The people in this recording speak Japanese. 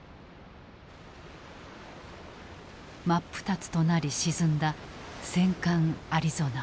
真っ二つとなり沈んだ戦艦アリゾナ。